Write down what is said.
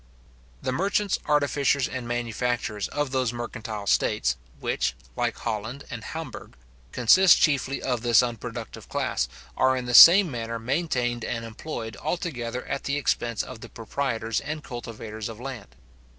The merchants, artificers, and manufacturers of those mercantile states, which, like Holland and Hamburgh, consist chiefly of this unproductive class, are in the same manner maintained and employed altogether at the expense of the proprietors and cultivators of land.